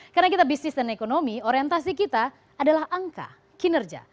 karena kita bisnis dan ekonomi orientasi kita adalah angka kinerja